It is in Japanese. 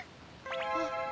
あっ